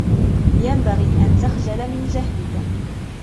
ينبغي أن تخجل من جهلك.